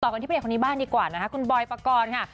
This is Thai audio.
ต่อกันที่ประเด็นคนที่บ้านดีกว่านะฮะคุณบอยปกรณ์ค่ะ